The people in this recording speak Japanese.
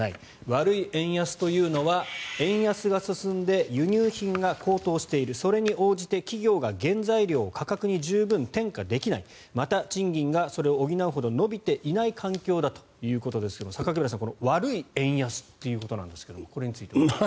悪い円安というのは円安が進んで輸入品が高騰しているそれに応じて企業が原材料を価格に十分転嫁できないまた賃金がそれを補うほど伸びていない環境だということですが榊原さん、この悪い円安ということなんですがこれについては。